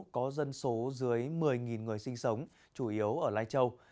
có dân số dưới một mươi người sinh sống chủ yếu ở lai châu